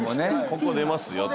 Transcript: ここ出ますよって。